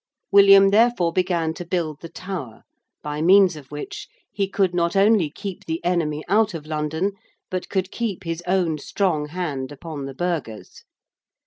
William therefore began to build the Tower, by means of which he could not only keep the enemy out of London but could keep his own strong hand upon the burghers.